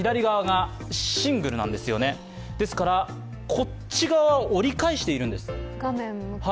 こっち側を折り返しているんです。